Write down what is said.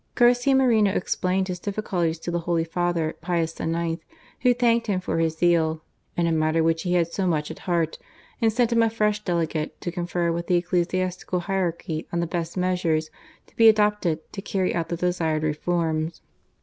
Garcia Moreno explained his difficulties to the Holy Father, Pius IX., who thanked him for his zeal in a matter which he had so much at heart," and sent him a fresh Delegate to confer with the ecclesiastical hierarchy on the best measures to be adopted to carry out the desired reforms.